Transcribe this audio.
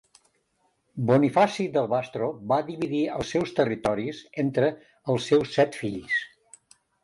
Bonifaci del Vasto va dividir els seus territoris entre els seus set fills.